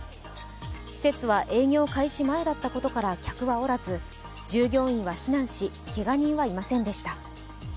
施設は営業開始前だったことから客はおらず従業員は避難し、けが人はいませんでした。